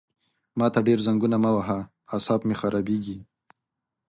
ما ته ډېر زنګونه مه وهه عصاب مې خرابېږي!